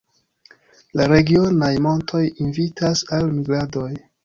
La regionaj montoj invitas al migradoj.